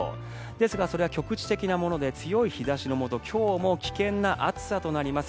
ですが、それは局地的なもので強い日差しのもと今日も危険な暑さとなります。